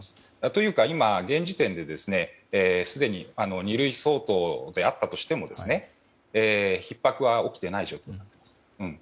というか今、現時点ですでに二類相当であったとしてもひっ迫は起きていない状況になっています。